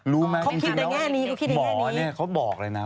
รู้ไหมจริงแล้วบ่อเนี่ยเขาบอกเลยนะ